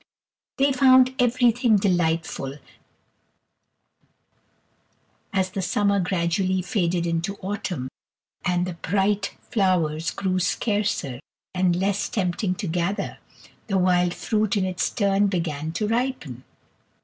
They found everything delightful; as the summer gradually faded into autumn, and the bright flowers grew scarcer and less tempting to gather, the wild fruit in its turn began to ripen.